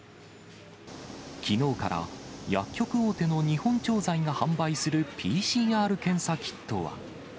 きのうから、薬局大手の日本調剤が販売するＰＣＲ検査キットは。